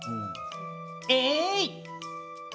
えい！！